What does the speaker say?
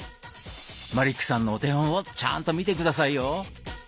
マリックさんのお手本をちゃんと見て下さいよ。